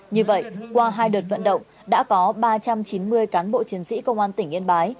như vậy qua hai đợt vận động đã có ba trăm chín mươi cán bộ chiến sĩ công an tỉnh yên bái